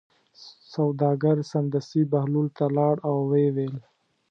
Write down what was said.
سوداګر سمدستي بهلول ته لاړ او ویې ویل.